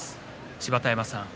芝田山さん